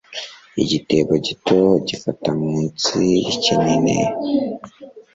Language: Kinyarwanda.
igitebo gito gifata munsi yikinini